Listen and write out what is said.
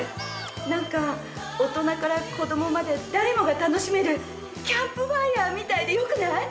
何か大人から子供まで誰もが楽しめるキャンプファイアみたいでよくない？